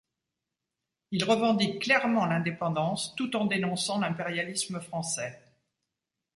Il revendique clairement l'indépendance tout en dénonçant l'impérialisme français.